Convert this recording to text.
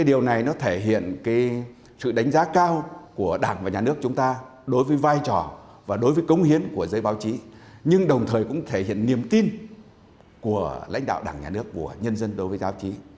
đảng và nhà nước chúng ta đối với vai trò và đối với cống hiến của giới báo chí nhưng đồng thời cũng thể hiện niềm tin của lãnh đạo đảng nhà nước của nhân dân đối với giáo chí